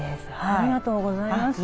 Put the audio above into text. ありがとうございます。